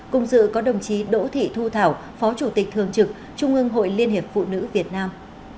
cùng dự có đồng chí đỗ thị thu thảo phó chủ tịch thường trực trung ương hội liên hiệp phụ nữ việt nam